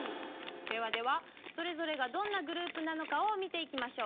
ではではそれぞれがどんなグループなのかを見ていきましょう。